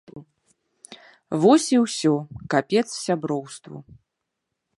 Вось і ўсё, капец сяброўству.